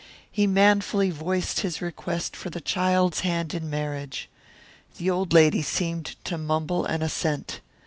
He manfully voiced his request for the child's hand in marriage. The old lady seemed to mumble an assent.